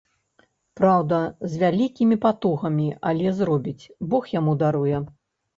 Праўда, з вялікімі патугамі, але зробіць, бог яму даруе.